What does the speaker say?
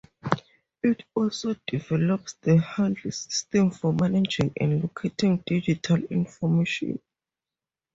It also develops the Handle System for managing and locating digital information.